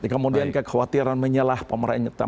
kemudian kekhawatiran menyelah pemerintah